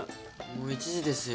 もう１時ですよ。